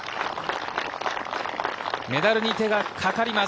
メダルに手が掛かります。